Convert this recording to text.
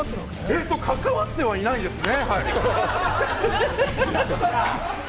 関わってはいないですね。